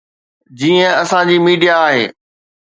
جيئن اسان جي ميڊيا آهي.